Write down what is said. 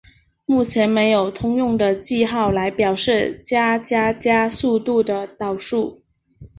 目前没有通用的记号来表示加加加速度的导数。